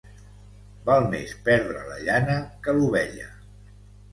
Val més perdre la llana que l'ovella.